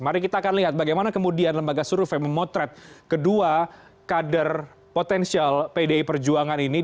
mari kita akan lihat bagaimana kemudian lembaga survei memotret kedua kader potensial pdi perjuangan ini